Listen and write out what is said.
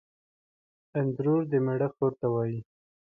اندرور دمېړه خور ته وايي